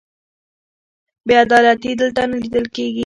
بې عدالتي دلته نه لیدل کېږي.